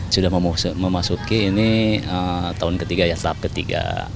sudah memasuki ini tahun ketiga ya tahap ketiga